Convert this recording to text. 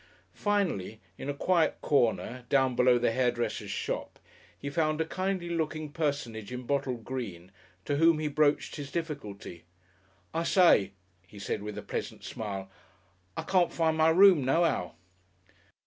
Finally, in a quiet corner, down below the hairdresser's shop, he found a kindly looking personage in bottle green, to whom he broached his difficulty. "I say," he said, with a pleasant smile, "I can't find my room nohow."